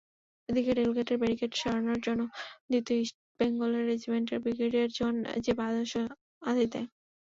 এদিকে রেলগেটের ব্যারিকেড সরানোর জন্য দ্বিতীয় ইস্টবেঙ্গলের রেজিমেন্টকে ব্রিগেডিয়ার জাহান জেব আদেশ দেয়।